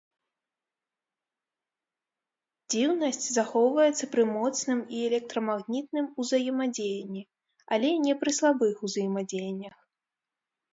Дзіўнасць захоўваецца пры моцным і электрамагнітным узаемадзеянні, але не пры слабых узаемадзеяннях.